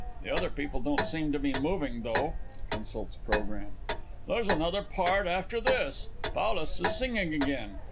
The other people don't seem to be moving, though. (Consults programme.) There's another Part after this; Paulus is singing again.